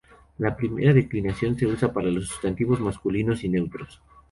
La primera declinación se usa para los sustantivos masculinos y neutros.